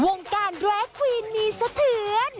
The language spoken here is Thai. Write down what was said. วงการแรควีนมีสะเทือน